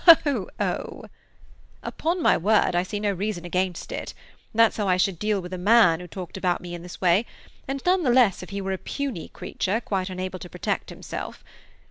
"Oh! Oh!" "Upon my word, I see no reason against it! That's how I should deal with a man who talked about me in this way, and none the less if he were a puny creature quite unable to protect himself.